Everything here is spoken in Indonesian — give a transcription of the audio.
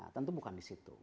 tentu bukan di situ